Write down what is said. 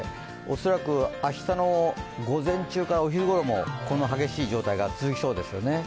恐らく明日の午前中からお昼ごろもこの激しい状態が続きそうですよね。